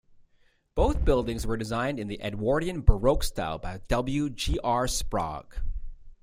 Both buildings were designed in the Edwardian Baroque style by W. G. R. Sprague.